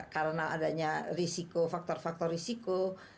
karena adanya risiko faktor faktor risiko